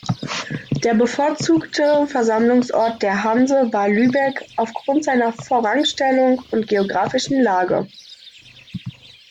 Der bevorzugte Versammlungsort der Hanse war Lübeck aufgrund seiner Vorrangstellung und geografischen Lage.